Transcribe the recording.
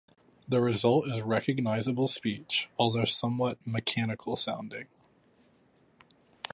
The result is recognizable speech, although somewhat "mechanical" sounding.